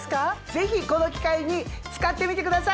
ぜひこの機会に使ってみてください。